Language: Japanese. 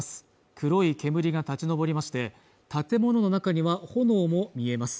黒い煙が立ち上りまして建物の中には炎も見えます